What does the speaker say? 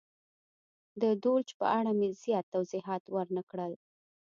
د دولچ په اړه مې زیات توضیحات ور نه کړل.